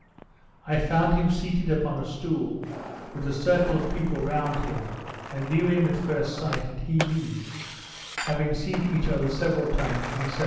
I found him seated upon a stool, with a circle of people round him, and knew him at first sight, and he me, having seen each other several times in 1769.